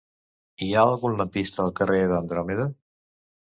Hi ha algun lampista al carrer d'Andròmeda?